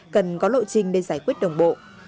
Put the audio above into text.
cần có lộ trình để giải quyết đồng bộ